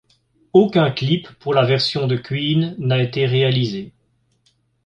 Aucun clip pour la version de Queen n'a été réalisé.